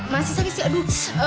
masih sakit sih aduh